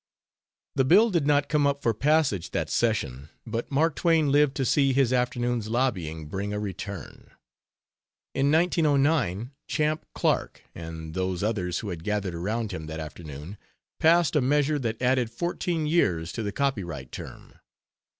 The bill did not come up for passage that session, but Mark Twain lived to see his afternoon's lobbying bring a return. In 1909, Champ Clark, and those others who had gathered around him that afternoon, passed a measure that added fourteen years to the copyright term.